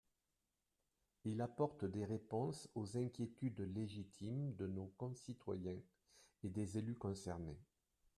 Il apporte des réponses aux inquiétudes légitimes de nos concitoyens et des élus concernés.